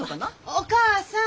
お義母さん。